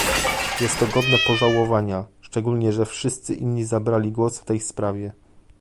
Jest to godne pożałowania, szczególnie że wszyscy inni zabrali głos w tej sprawie